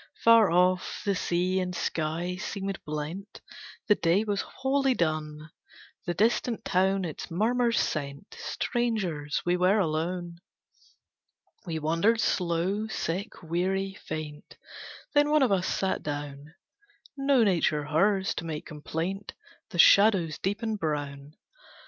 Far off, the sea and sky seemed blent, The day was wholly done, The distant town its murmurs sent, Strangers, we were alone. We wandered slow; sick, weary, faint, Then one of us sat down, No nature hers, to make complaint; The shadows deepened brown.